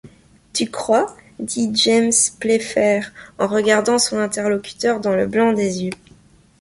Tu crois ? dit James Playfair, en regardant son interlocuteur dans le blanc des yeux.